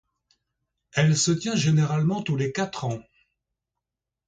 Elle se tient généralement tous les quatre ans.